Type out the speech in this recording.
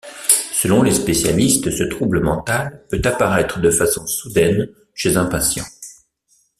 Selon les spécialistes, ce trouble mental peut apparaître de façon soudaine chez un patient.